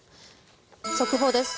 速報です。